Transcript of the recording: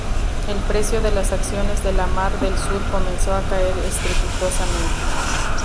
El precio de las acciones de la Mar del Sur comenzó a caer estrepitosamente.